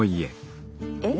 えっ？